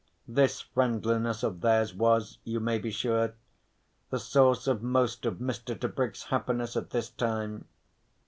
This friendliness of theirs was, you may be sure, the source of most of Mr. Tebrick's happiness at this time.